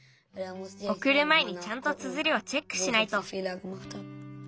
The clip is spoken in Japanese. おくるまえにちゃんとつづりをチェックしないと。